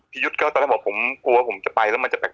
ยุทธ์ก็ตอนนั้นบอกผมกลัวผมจะไปแล้วมันจะแปลก